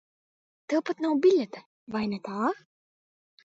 Tev pat nav biļete, vai ne tā?